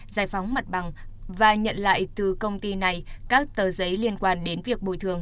giải phóng mặt bằng và nhận lại từ công ty này các tờ giấy liên quan đến việc bồi thường